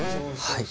はい。